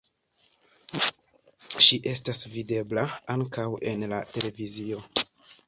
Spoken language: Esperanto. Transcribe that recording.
Ŝi estas videbla ankaŭ en la televizio.